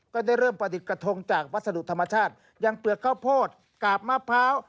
ก็ได้เริ่มประดิษฐ์กระทงจากวัสดุธรรมชาติยังเปลือกข้าวโพดกาบมะพร้าว